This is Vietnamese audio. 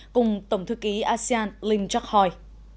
cùng tổng thư ký asean linh trắc hòi